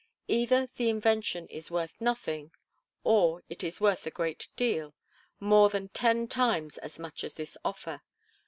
Either the invention is worth nothing, or it is worth a great deal more than ten times as much as this offer.